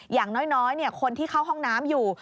อย่างน้อยคนที่เข้าห้องน้ำอยู่